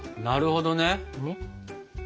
なるほどね。